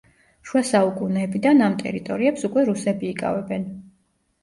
შუა საუკუნეებიდან ამ ტერიტორიებს უკვე რუსები იკავებენ.